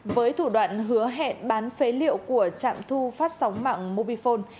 với thủ đoạn hứa hẹn bán phế liệu của trạm thu phát sóng mạng mobifone